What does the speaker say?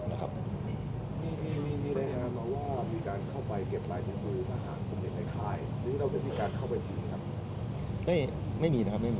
มีรายน้ำว่ามีการเข้าไปเก็บรายประโยคผู้ห้างคนเด็กในคายหรือมีการเข้าไปจิน